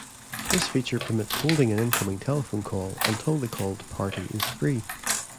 This feature permits holding an incoming telephone call until the called party is free.